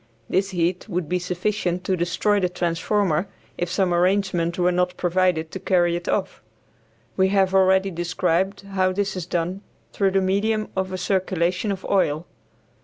This heat would be sufficient to destroy the transformer if some arrangement were not provided to carry it off. We have already described how this is done through the medium of a circulation of oil.